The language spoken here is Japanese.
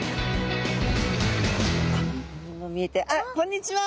あっこんにちは！